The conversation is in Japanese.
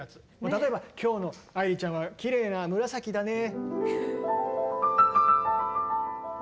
例えば今日の愛理ちゃんはきれいな紫だね。